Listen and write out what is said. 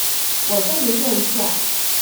我再研究一下